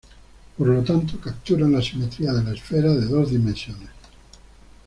Por lo tanto, capturan la simetría de la esfera de dos dimensiones.